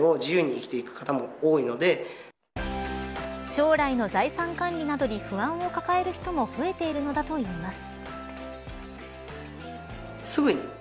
将来の財産管理などに不安を抱える人も増えているのだといいます。